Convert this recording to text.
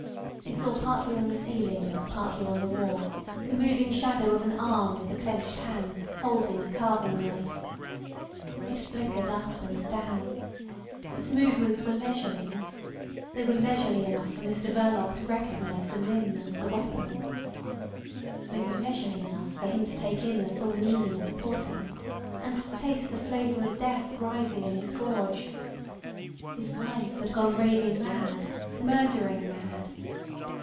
He saw partly on the ceiling and partly on the wall the moving shadow of an arm with a clenched hand holding a carving knife. It flickered up and down. Its movements were leisurely. They were leisurely enough for Mr Verloc to recognise the limb and the weapon. They were leisurely enough for him to take in the full meaning of the portent, and to taste the flavour of death rising in his gorge. His wife had gone raving mad—murdering mad.